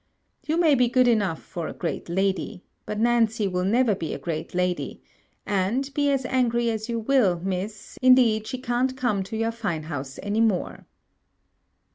You may be good enough for a great lady; but Nancy will never be a great lady; and, be as angry as you will, Miss, indeed she can't come to your fine house any more.'